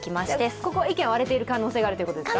ここは意見が割れている可能性もあるということですか？